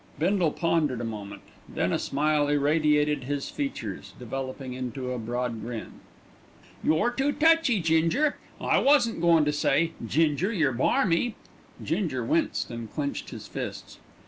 Bindle pondered a moment, then a smile irradiated his features, developing into a broad grin. "You're too touchy, Ginger. I wasn't goin' to say, 'Ginger, you're barmy.'" Ginger winced and clenched his fists.